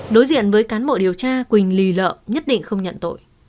đối diện với cán bộ điều tra quỳnh lì lợ nhất định không nhận tội